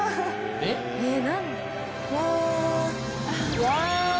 えっ？